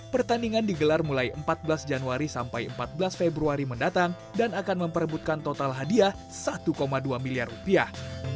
pertandingan digelar mulai empat belas januari sampai empat belas februari mendatang dan akan memperebutkan total hadiah satu dua miliar rupiah